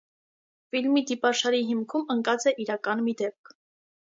Ֆիլմի դիպաշարի հիմքում ընկած է իրական մի դեպք։